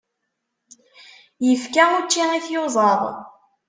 Yefka učči i tyuẓaḍ.